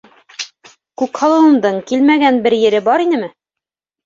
Күкһылыуымдың... килмәгән бер ере бар инеме?!